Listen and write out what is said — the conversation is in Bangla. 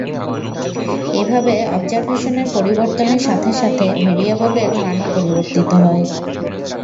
এভাবে অবজারভেশনের পরিবর্তনের সাথে সাথে ভ্যারিয়েবলের মানও পরিবর্তিত হয়।